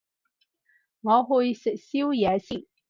我去食宵夜先